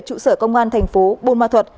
trụ sở công an thành phố bù ma thuật